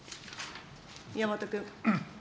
宮本君。